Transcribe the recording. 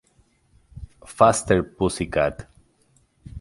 Faster, Pussycat!